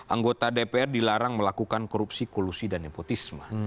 anggota dpr dilarang melakukan korupsi kolusi dan nepotisme